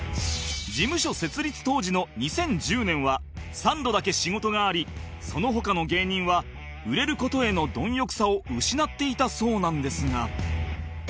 事務所設立当時の２０１０年はサンドだけ仕事がありその他の芸人は売れる事への貪欲さを失っていたそうなんですが